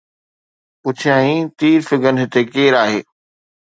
پڇيائين، ”تير فگن هتي ڪير آهي؟